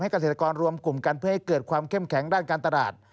เกษตรกรรวมกลุ่มกันเพื่อให้เกิดความเข้มแข็งด้านการตลาด